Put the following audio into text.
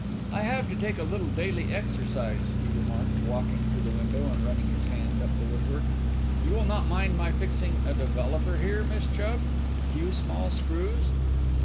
"I have to take a little daily exercise," he remarked, walking to the window and running his hand up the woodwork. "You will not mind my fixing a 'developer' here, Miss Chubb a few small screws?"